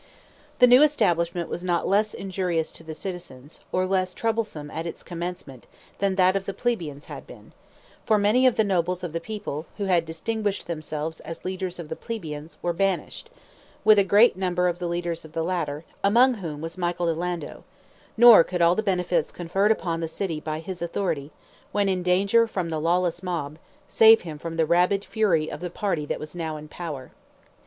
The new establishment was not less injurious to the citizens, or less troublesome at its commencement than that of the plebeians had been; for many of the nobles of the people, who had distinguished themselves as defenders of the plebeians, were banished, with a great number of the leaders of the latter, among whom was Michael di Lando; nor could all the benefits conferred upon the city by his authority, when in danger from the lawless mob, save him from the rabid fury of the party that was now in power.